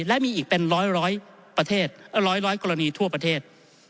และมีอีกเป็นร้อยกรณีทั่วประเทศ